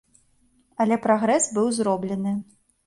Але прагрэс быў зроблены.